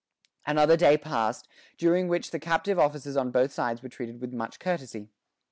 Another day passed, during which the captive officers on both sides were treated with much courtesy.